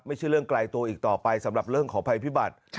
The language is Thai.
ไม่ใช่เรื่องไกลตัวอีกต่อไปสำหรับเรื่องของภัยพิบัติ